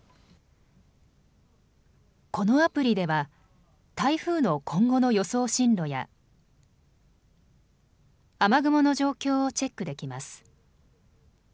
このアプリでは台風の今後の予想進路や雨雲の状況をチェックできます。